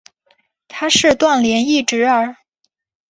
他是段廉义侄儿。